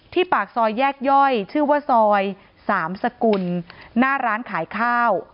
ปากซอยแยกย่อยชื่อว่าซอยสามสกุลหน้าร้านขายข้าว